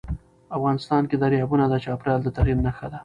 افغانستان کې دریابونه د چاپېریال د تغیر نښه ده.